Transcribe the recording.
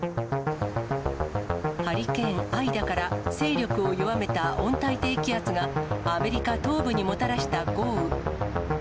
ハリケーン・アイダから勢力を弱めた温帯低気圧が、アメリカ東部にもたらした豪雨。